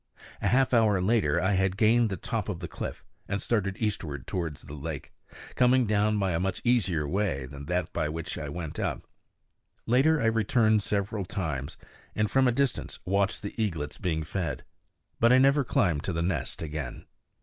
A half hour later I had gained the top of the cliff and started eastward towards the lake, coming down by a much easier way than that by which I went up. Later I returned several times, and from a distance watched the eaglets being fed. But I never climbed to the nest again.